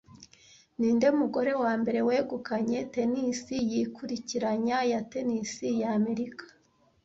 Ninde mugore wambere wegukanye tennis yikurikiranya ya tennis ya Amerika